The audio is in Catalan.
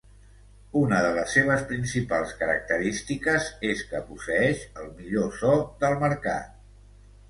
Una de les seves principals característiques és que posseeix el millor so del mercat.